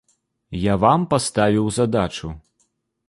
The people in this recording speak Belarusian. Я вам паставіў задачу.